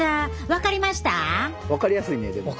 分かりやすいねでも。